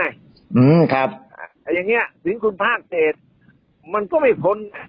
อย่างนี้ถึงคุณภาคเจษมันก็ไม่ผล